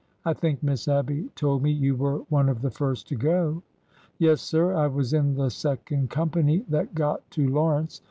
I think Miss Abby told me you were one of the first to go." Yes, sir ; I was in the second company that got to Lawrence.